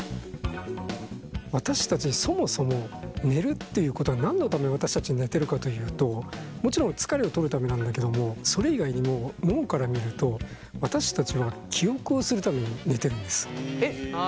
私たちそもそも寝るっていうことが何のために私たち寝てるかというともちろん疲れをとるためなんだけどもそれ以外にもえっ寝てる間に記憶をするってこと？